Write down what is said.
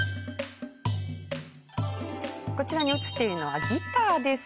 こちらに映っているのはギターです。